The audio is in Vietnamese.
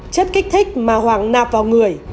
chất kích thích mà hoàng nạp vào người